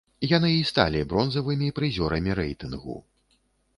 Яны і сталі бронзавымі прызёрамі рэйтынгу.